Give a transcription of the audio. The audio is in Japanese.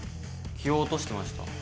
気を落としてました。